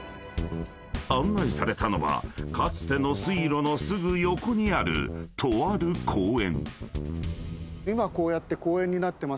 ［案内されたのはかつての水路のすぐ横にあるとある公園］